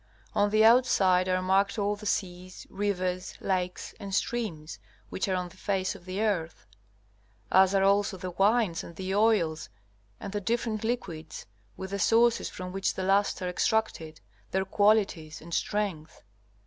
On the outside are marked all the seas, rivers, lakes, and streams which are on the face of the earth; as are also the wines and the oils and the different liquids, with the sources from which the last are extracted, their qualities and strength.